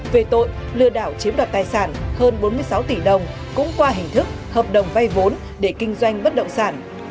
về tội lừa đảo chiếm đoạt tài sản hơn bốn mươi sáu tỷ đồng cũng qua hình thức hợp đồng vay vốn để kinh doanh bất động sản